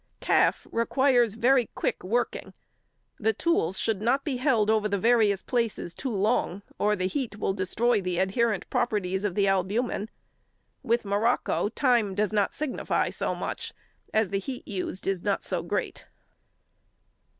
Calf requires very quick working. The tools should not be held over the various places too long, or the heat will destroy the adherent properties of the albumen. With morocco time does not signify so much, as the heat used is not so great.